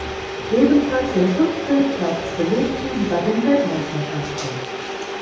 Ebenfalls den fünften Platz belegten sie bei den Weltmeisterschaften.